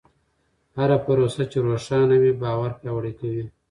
هره پروسه چې روښانه وي، باور پیاوړی کوي.